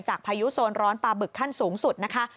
พายุโซนร้อนปลาบึกขั้นสูงสุดนะคะ